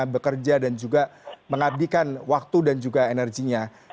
bekerja dan juga mengabdikan waktu dan juga energinya